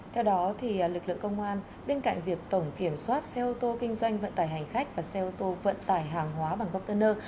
theo đó lực lượng công an bên cạnh việc tổng kiểm soát xe ô tô kinh doanh vận tải hành khách và xe ô tô vận tải hàng hóa bằng gốc tân ơ